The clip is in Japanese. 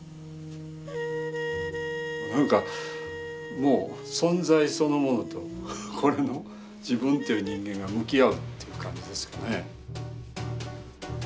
何かもう存在そのものとこれの自分という人間が向き合うという感じですかね。